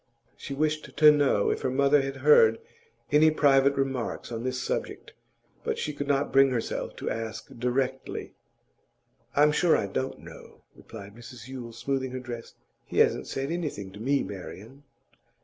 She wished to know if her mother had heard any private remarks on this subject, but she could not bring herself to ask directly. 'I'm sure I don't know,' replied Mrs Yule, smoothing her dress. 'He hasn't said anything to me, Marian.